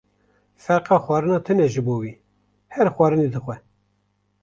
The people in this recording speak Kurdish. Ferqa xwarinan tune ji bo wî, her xwarinê dixwe.